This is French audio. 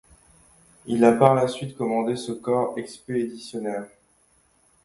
Il a par la suite commandé ce Corps expéditionnaire.